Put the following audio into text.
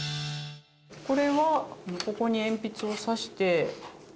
これはここに鉛筆を挿して。